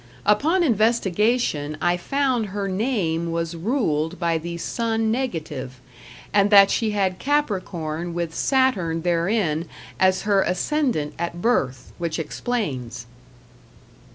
Upon investigation I found her name was ruled by the Sun negative, and that she had Capricorn with Saturn therein as her ascendant at birth, which explains.